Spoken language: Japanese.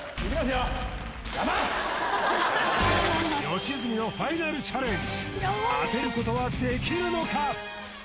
良純のファイナルチャレンジ当てることはできるのか